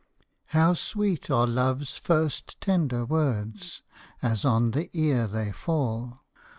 How sweet are first love's tender words As on the ear they fall!